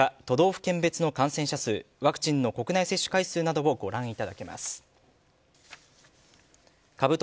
都道府県別の感染者数ワクチンの国内接種回数などをご覧いただけます。